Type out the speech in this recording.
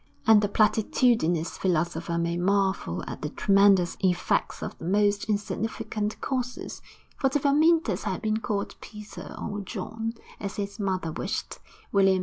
And the platitudinous philosopher may marvel at the tremendous effects of the most insignificant causes, for if Amyntas had been called Peter or John, as his mother wished, William II.